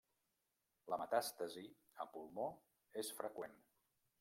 La metàstasi a pulmó és freqüent.